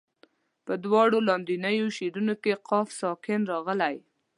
په دواړو لاندنیو شعرونو کې قاف ساکن راغلی.